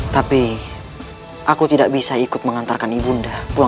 tapi aku tidak bisa ikut mengantarkan ibu nda